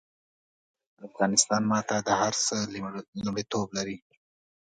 افغانستان ماته د هر څه لومړيتوب لري